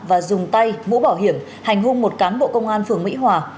và dùng tay mũ bảo hiểm hành hung một cán bộ công an phường mỹ hòa